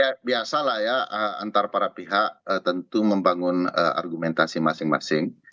ya biasalah ya antara para pihak tentu membangun argumentasi masing masing